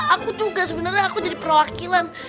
aku juga sebenarnya aku jadi perwakilan